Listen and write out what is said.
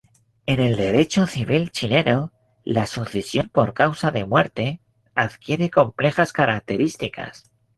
En el derecho civil chileno, la sucesión por causa de muerte adquiere complejas características.